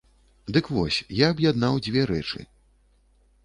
Дык вось, я аб'яднаў дзве рэчы.